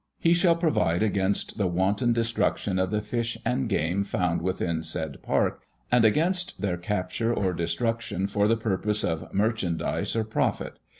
He shall provide against the wanton destruction of the fish and game found within said park, and against their capture of destruction for the purposes of merchandise or profit.